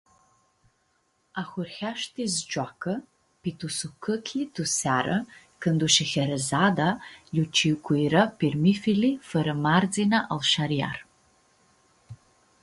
Ahurheashti s-gioacã pi tu sucãchli tu seara cãndu Sheherezada lj-ciucuira pirmifili fãrã mardzinã al Shariar.